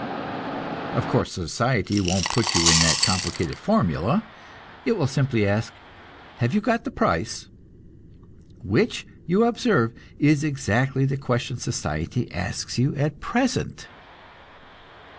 Of course, society won't put it to you in that complicated formula; it will simply ask, "Have you got the price?" Which, you observe, is exactly the question society asks you at present.